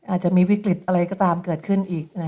อาจจะมีวิกฤตอะไรก็ตามเกิดขึ้นอีก